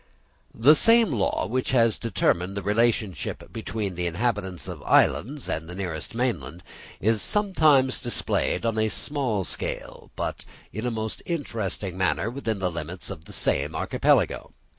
The same law which has determined the relationship between the inhabitants of islands and the nearest mainland, is sometimes displayed on a small scale, but in a most interesting manner, within the limits of the same archipelago.